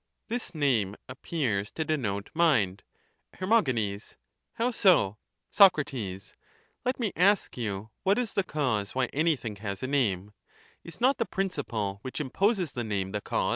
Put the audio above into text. This name appears to denote mind. Her. How so? Soc. Let me ask you what is the cause why anything has a name ; is not the principle which imposes the name the cause